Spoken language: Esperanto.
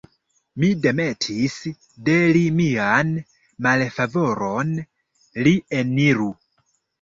Mi demetis de li mian malfavoron, li eniru!